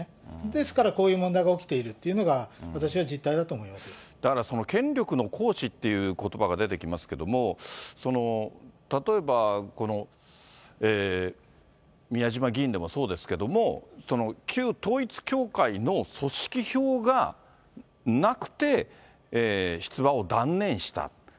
ですからこういう問題が起きているっていうのが、私は実態だと思だから、権力の行使ということばが出てきますけれども、例えば宮島議員でもそうですけれども、旧統一教会の組織票がなくて、出馬を断念した。